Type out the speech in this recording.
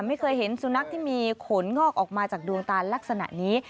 ไม่เคยเห็นสุนัขที่มีขนงอกออกมาจากดวงตาลักษณะนี้